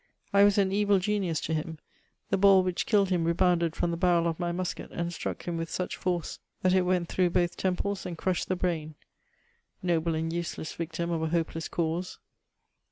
I was an evil genius to him ; the ball which kiUed mm rebounded from the barrel of my musket, and struck him with such force, ihat it went througa 346 MEiroiBS OF both temples and crushed the brain. — Noble and usdess yktim of a hopeless cause!